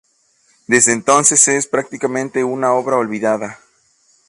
Desde entonces es, prácticamente, una obra olvidada.